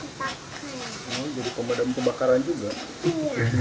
oh jadi komponen kebakaran juga